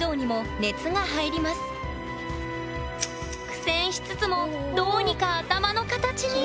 苦戦しつつもどうにか頭の形に！